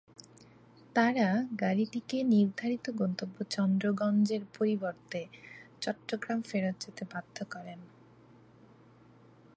তাঁরা গাড়িটিকে নির্ধারিত গন্তব্য চন্দ্রগঞ্জের পরিবর্তে চট্টগ্রাম ফেরত যেতে বাধ্য করেন।